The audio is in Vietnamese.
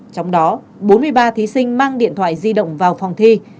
trong đó bốn mươi ba thí sinh mang điện thoại di động vào phòng thi